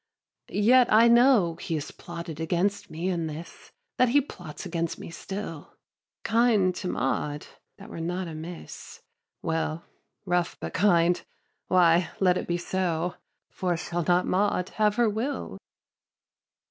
yet I know He has plotted against me in this, That he plots against me still. Kind to Maud? that were not amiss. Well, rough but kind; why, let it be so: For shall not Maud have her will?